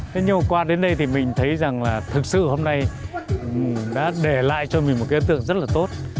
thế nhưng qua đến đây thì mình thấy rằng là thực sự hôm nay đã để lại cho mình một cái ấn tượng rất là tốt